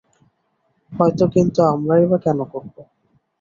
হয়তো, কিন্তু আমরাই বা কেন করবো?